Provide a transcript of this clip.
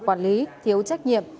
quản lý thiếu trách nhiệm